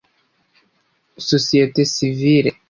Sosiyete Sivile